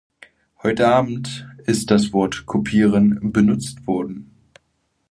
Heute abend ist das Wort "kopieren" benutzt worden.